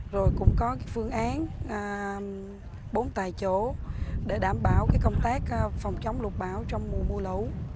rồi cũng có phương án bốn tại chỗ để đảm bảo công tác phòng chống lục bão trong mùa mưa lũ